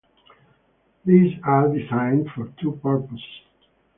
These are designed for two purposes.